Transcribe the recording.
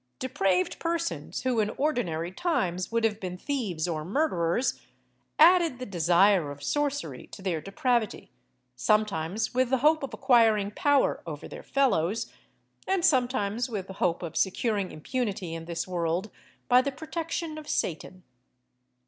Depraved persons who in ordinary times would have been thieves or murderers, added the desire of sorcery to their depravity, sometimes with the hope of acquiring power over their fellows, and sometimes with the hope of securing impunity in this world by the protection of Satan.